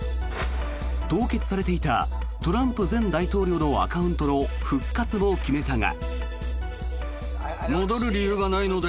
凍結されていたトランプ前大統領のアカウントの復活も決めたが。